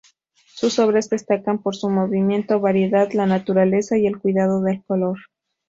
Sus obras destacan por su movimiento, variedad, la naturaleza y el cuidado del color.